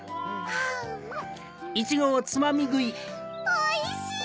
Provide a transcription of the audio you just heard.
おいしい！